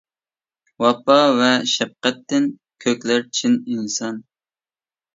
ۋاپا ۋە شەپقەتتىن كۆكلەر چىن ئىنسان.